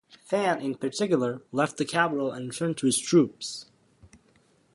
Fan, in particular, left the capital and returned to his troops.